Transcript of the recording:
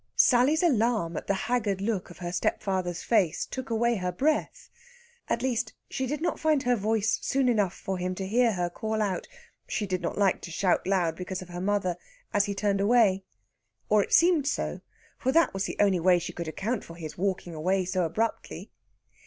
Sally's alarm at the haggard look of her stepfather's face took away her breath; at least, she did not find her voice soon enough for him to hear her call out she did not like to shout loud because of her mother as he turned away. Or it seemed so, for that was the only way she could account for his walking away so abruptly.